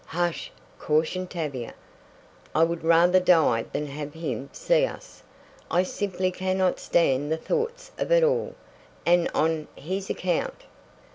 "Hush!" cautioned Tavia. "I would rather die than have him see us! I simply cannot stand the thoughts of it all, and on his account."